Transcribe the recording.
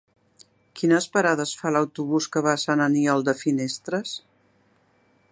Quines parades fa l'autobús que va a Sant Aniol de Finestres?